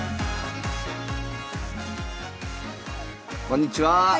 ⁉こんにちは。